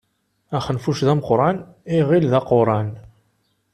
Axenfuc d ameqqṛan, iɣil d aquṛan.